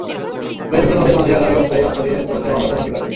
প্রায় শুকনা নদের মাঝে আড়াআড়ি অস্থায়ী রাস্তা দিয়ে চলছে অবাধে মাটি কাটা।